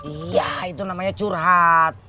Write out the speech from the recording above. iya itu namanya curhat